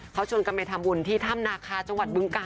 เขาชวนกันไปทำบุญที่ถ้ำนาคาจังหวัดบึงกาล